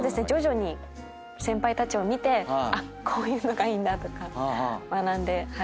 徐々に先輩たちを見てこういうのがいいんだとか学んで。